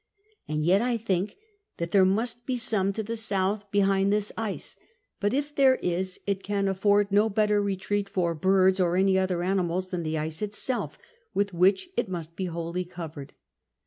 And yet I think that there must be some to the south behind this ice ; but if there is, it can afford no better retreat for birds or any other animals than the ice itself, with which it must be wholly covered.